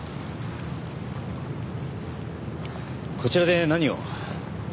こちらで何を？